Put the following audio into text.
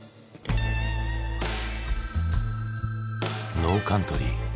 「ノーカントリー」。